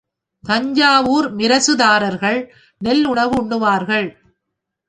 தஞ்சாவூர் மிராசுதார்கள் நெல் உணவு உண்ணுவார்கள்.